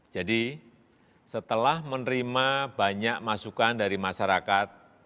jadi setelah menerima banyak masukan dari masyarakat